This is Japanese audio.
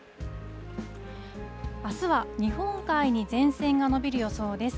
あすは日本海に前線が延びる予想です。